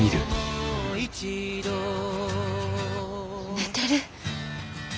寝てる。